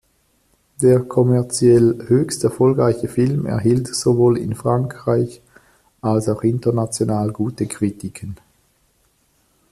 Der kommerziell höchst erfolgreiche Film erhielt sowohl in Frankreich als auch international gute Kritiken.